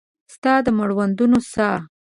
ستا د مړوندونو ساه